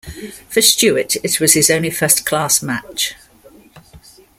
For Stewart it was his only first-class match.